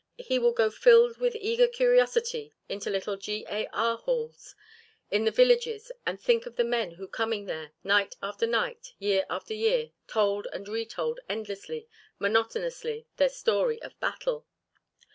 He will go filled with eager curiosity into little G. A. R. halls in the villages and think of the men who coming there night after night, year after year, told and re told endlessly, monotonously, their story of battle.